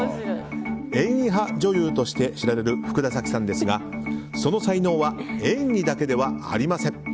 演技派女優として知られる福田沙紀さんですがその才能は演技だけではありません。